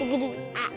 あっ。